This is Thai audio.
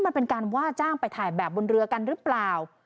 มันเป็นการว่าจ้างไปถ่ายแบบบนเรือกันหรือเปล่า